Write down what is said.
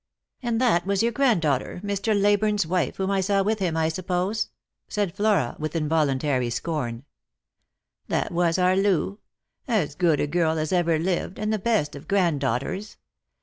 " And that was your granddaughter — Mr. Leyburne's wife — whom I saw with him, 1 suppose," said Flora with involuntary scorn. " That was our Loo ; as good a girl as ever lived, and the best of granddaughters.